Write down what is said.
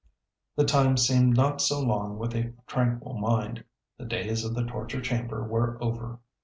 The time seemed not so long with a tranquil mind. The days of the torture chamber were over.